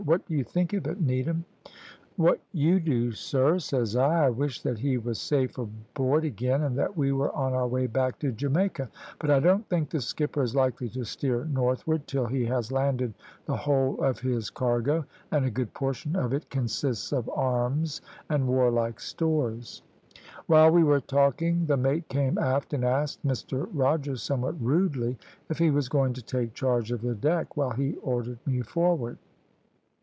What do you think of it, Needham?' "`What you do, sir,' says I; `I wish that he was safe aboard again, and that we were on our way back to Jamaica; but I don't think the skipper is likely to steer northward, till he has landed the whole of his cargo, and a good portion of it consists of arms and warlike stores.' "While we were talking the mate came aft, and asked Mr Rogers, somewhat rudely, if he was going to take charge of the deck, while he ordered me forward.